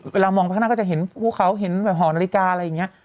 เวลามองไปข้างหน้าก็จะเห็นภูเขาเห็นแบบห่อนาฬิกาอะไรอย่างนี้